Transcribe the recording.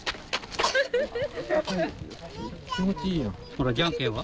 ほらじゃんけんは？